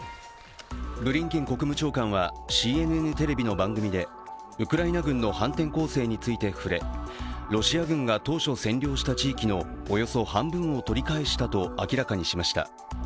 ブリンケン国務長官はＣＮＮテレビの番組で、ウクライナ軍の反転攻勢について触れロシア軍が当初占領した地域のおよそ半分を取り返したと明らかにしました。